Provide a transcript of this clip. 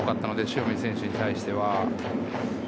塩見選手に対しては。